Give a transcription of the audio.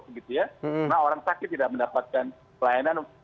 karena orang sakit tidak mendapatkan pelayanan